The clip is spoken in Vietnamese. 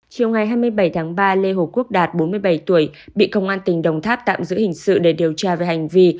chiều ngày hai mươi bảy tháng ba lê hồ quốc đạt bốn mươi bảy tuổi bị công an tỉnh đồng tháp tạm giữ hình sự để điều tra về hành vi